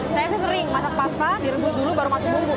saya sih sering masak pasta direbus dulu baru masuk bumbu